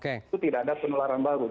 itu tidak ada penularan baru